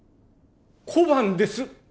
小判です。